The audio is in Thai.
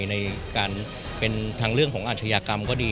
ในการเป็นทางเรื่องของอาชญากรรมก็ดี